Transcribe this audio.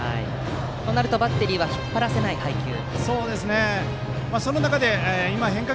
となるとバッテリーは引っ張らせない配球だと。